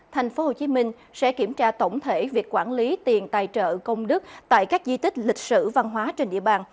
tp hcm sẽ kiểm tra tổng thể việc quản lý tiền tài trợ công đức tại các di tích lịch sử văn hóa trên địa bàn